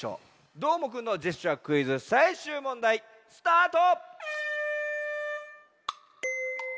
どーもくんのジェスチャークイズさいしゅうもんだいスタート！